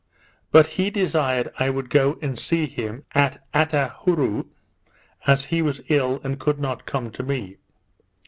But he desired I would go and see him at Attahourou, as he was ill and could not come to me.